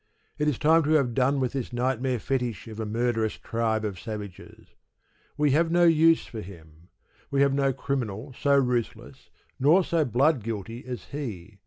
It is time to have done with this nightmare fetish of a murderous tribe of savages. We have no use for him. We have no criminal so ruthless nor so blood guilty as he.